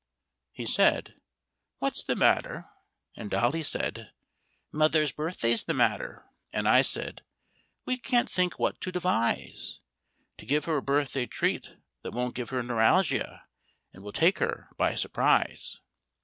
He said, "What's the matter?" And Dolly said, "Mother's birthday's the matter." And I said, "We can't think what to devise To give her a birthday treat that won't give her neuralgia, and will take her by surprise.